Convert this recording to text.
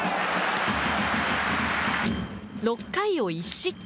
６回を１失点。